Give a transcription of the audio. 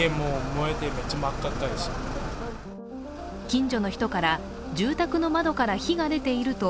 近所の人から住宅の窓から火が出ていると